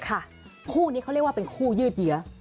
คู่นี้เขาเรียกว่าเป็นคู่ยืดเหยื้อ